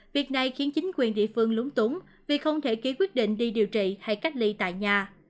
việc này khiến chính quyền địa phương lúng túng vì không thể ký quyết định đi điều trị hay cách ly tại nhà